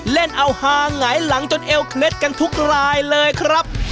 เล่นเอาฮาหงายหลังจนเอวเคล็ดกันทุกรายเลยครับ